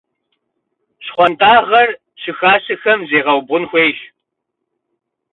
ЩхъуантӀагъэр щыхасэхэм зегъэубгъун хуейщ.